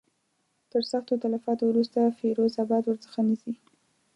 تر سختو تلفاتو وروسته فیروز آباد ورڅخه نیسي.